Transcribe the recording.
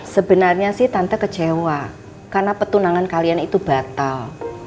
sebenarnya sih tante kecewa karena petunangan kalian itu batal